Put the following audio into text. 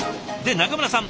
中村さん